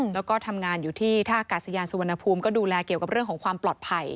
แล้วก็ทำงานอยู่ที่ท่ากาศยานสุวรรณภูมิก็ดูแลเกี่ยวกับเรื่องของความปลอดภัย